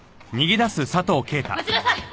待ちなさい！